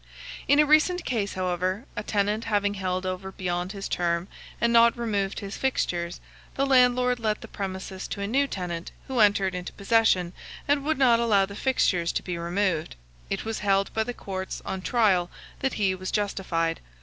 In a recent case, however, a tenant having held over beyond his term and not removed his fixtures, the landlord let the premises to a new tenant, who entered into possession, and would not allow the fixtures to be removed it was held by the courts, on trial, that he was justified.